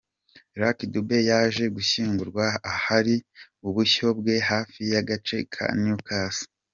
Lucky Dube yaje gushyingurwa ahari ubushyo bwe hafi y’agace ka Newcastle.